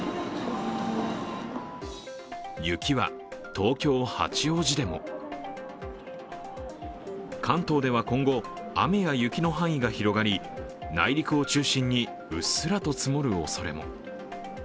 雪は東京・八王子でも関東では今後、雨や雪の範囲が広がり、内陸を中心にうっすらと積もるおそれも。